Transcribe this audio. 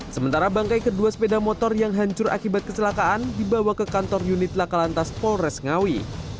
sementara bangkai kedua sepeda motor yang hancur akibat kecelakaan dibawa ke kantor unit lakalantas polres ngawi